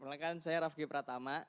sebelumnya saya raffi pratama